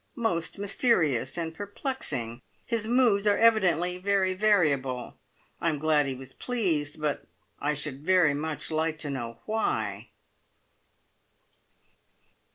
Most mysterious and perplexing! His moods are evidently very variable. I am glad he was pleased, but I should very much like to know why!